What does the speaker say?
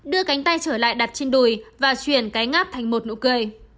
đưa cánh tay trở lại đặt trên đùi và chuyển cái ngáp thành một nụ cười